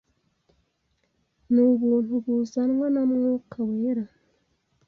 Ni ubuntu buzanwa na Mwuka Wera